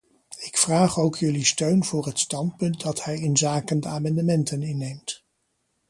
Ik vraag ook jullie steun voor het standpunt dat hij inzake de amendementen inneemt.